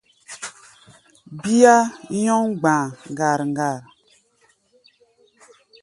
Bíá nyɔ́ŋ gba̧a̧ ŋgar-ŋgar.